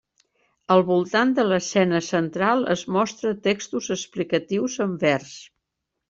Al voltant de l'escena central es mostra textos explicatius en vers.